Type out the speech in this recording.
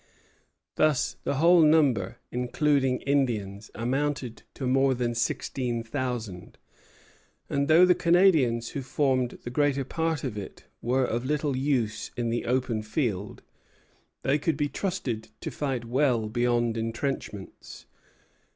Thus the whole number, including Indians, amounted to more than sixteen thousand; and though the Canadians who formed the greater part of it were of little use in the open field, they could be trusted to fight well behind intrenchments.